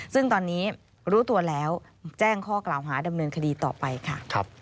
ซึ่งตอนนี้รู้ตัวแล้วแจ้งข้อกล่าวหาดำเนินคดีต่อไปค่ะ